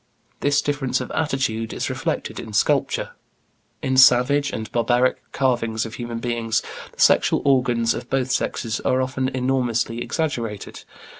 This difference of attitude is reflected in sculpture. In savage and barbaric carvings of human beings, the sexual organs of both sexes are often enormously exaggerated.